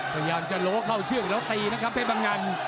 พยายามจะโหเข้าเชื่อหัวแล้วตีนะครับเป็นปะงัน